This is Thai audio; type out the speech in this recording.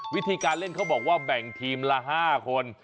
วิธีการเล่นเขาบอกว่าแบ่งทีมละ๕คน